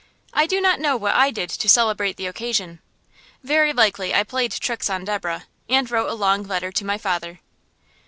I do not know what I did to celebrate the occasion. Very likely I played tricks on Deborah, and wrote a long letter to my father.